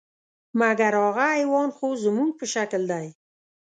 مګر هغه حیوان خو زموږ په شکل دی .